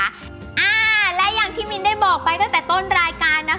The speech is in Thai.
อ่าและอย่างที่มินได้บอกไปตั้งแต่ต้นรายการนะคะ